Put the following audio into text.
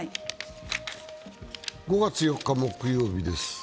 ５月４日木曜日です。